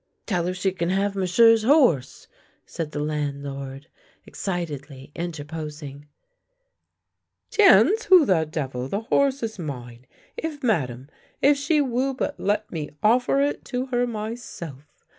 " Tell her she can have m'sieu's horse," said the landlord, excitedly interposing. " Tiens, who the devil! — the horse is mine. If Ma dame — if she will but let me offer it to her myself!